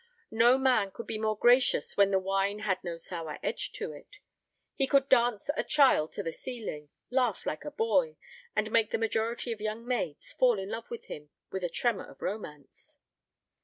No man could be more gracious when the wine had no sour edge to it. He could dance a child to the ceiling, laugh like a boy, and make the majority of young maids fall in love with him with a tremor of romance.